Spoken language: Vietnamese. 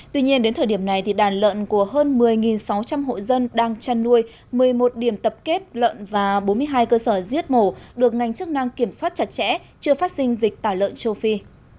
tuy nhiên đến thời điểm này đàn lợn của hơn một mươi sáu trăm linh hộ dân đang chăn nuôi một mươi một điểm tập kết lợn và bốn mươi hai cơ sở giết mổ được ngành chức năng kiểm soát chặt chẽ chưa phát sinh dịch tả lợn châu phi